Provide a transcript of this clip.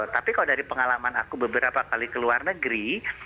tapi kalau dari pengalaman aku beberapa kali ke luar negeri